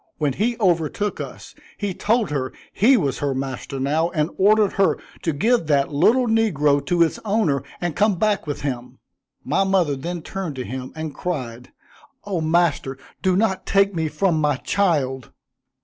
When he overtook us, he told her he was her master now, and ordered her to give that little negro to its owner, and come back with him. My mother then turned to him and cried, "Oh, master, do not take me from my child!"